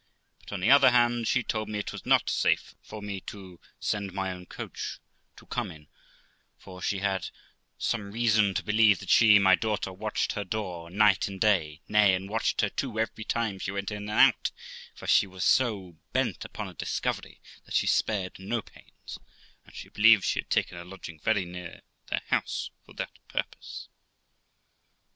But, on the other hand, she told me it was not safe for me to send my own coach for her to come in, for she had some reason to be lieve that she (my daughter) watched her door night and day; nay, and watched her too every time she went in and out; for she was so beat 382 THE LIFE OF ROXANA upon a discovery that she spared no pains, and she believed she had taken a lodging very near their house for that purpose.